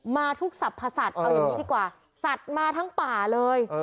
มาทุกสรรพสัตว์เอาอย่างนี้ดีกว่าสัตว์มาทั้งป่าเลย